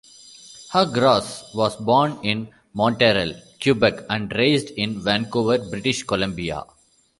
Hugh Ross was born in Montreal, Quebec and raised in Vancouver, British Columbia.